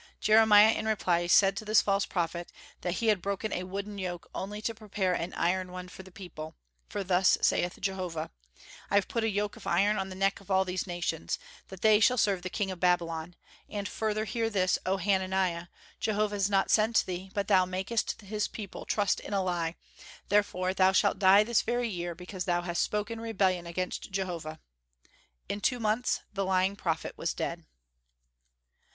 Jeremiah in reply said to this false prophet that he had broken a wooden yoke only to prepare an iron one for the people; for thus saith Jehovah: "I have put a yoke of iron on the neck of all these nations, that they shall serve the king of Babylon.... And further, hear this, O Hananiah! Jehovah has not sent thee, but thou makest this people trust in a lie; therefore thou shalt die this very year, because thou hast spoken rebellion against Jehovah." In two months the lying prophet was dead.